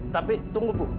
tapi tunggu bu